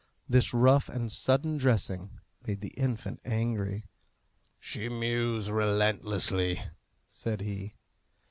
This rough and sudden dressing made the infant angry. "She mews relentlessly," said he.